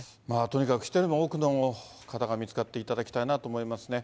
とにかく一人でも多くの方が見つかっていただきたいなと思いますね。